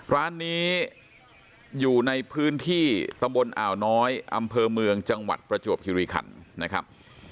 ร้านนี้อยู่ในพื้นที่ตำบลอ่าวน้อยอำเภอเมืองจังหวัดประจวบคิริขันนะครับ